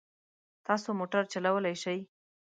تاسو موټر چلولای شئ؟